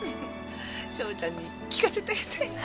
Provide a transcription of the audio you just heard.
章ちゃんに聞かせてあげたいな。